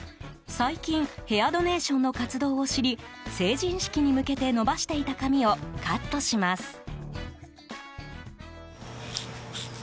最近ヘアドネーションの活動を知り成人式に向けて伸ばしていた髪をカットします。